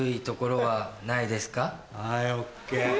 はいＯＫ。